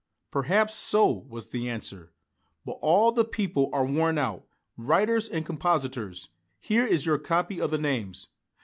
"Perhaps so," was the answer. "But all the people are worn out writers and compositors. Here is your copy of the names."